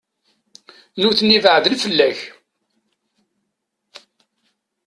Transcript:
Nutni beɛden fell-ak.